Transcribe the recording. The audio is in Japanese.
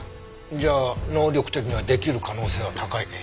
じゃあ能力的には出来る可能性は高いね。